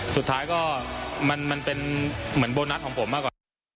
สุดท้ายก็มันเป็นเหมือนโบนัสของผมมากกว่า